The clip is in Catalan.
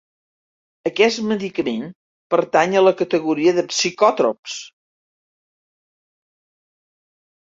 Aquest medicament pertany a la categoria de Psicòtrops.